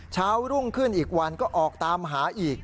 รุ่งขึ้นอีกวันก็ออกตามหาอีก